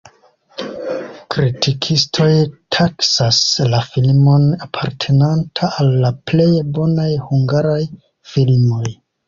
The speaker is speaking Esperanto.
Kritikistoj taksas la filmon apartenanta al la plej bonaj hungaraj filmoj.